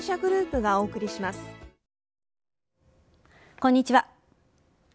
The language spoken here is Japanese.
こんにちは。